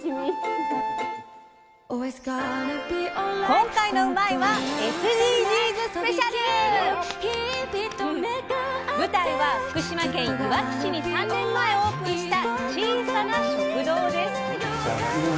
今回の「うまいッ！」は舞台は福島県いわき市に３年前オープンした小さな食堂です。